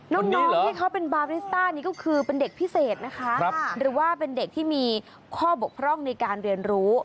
น้องที่เขาเป็นบาริสต้านี่ก็คือเป็นเด็กพิเศษนะคะหรือว่าเป็นเด็กที่มีข้อบกพร่องในการเรียนรู้